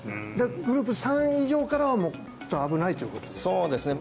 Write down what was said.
グループ３以上からはもうちょっと危ないというそうですね